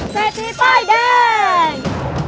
เศรษฐีป้ายแดง